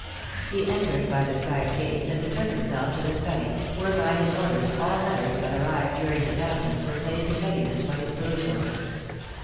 He entered by the side gate and betook himsdf to the study, where by his orders all letters that arrived during his absence were placed in readiness for his perusal.